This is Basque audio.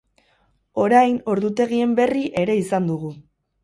Orain, ordutegien berri ere izan dugu.